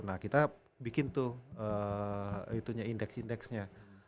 nah kita bikin tuh itu nya index indexnya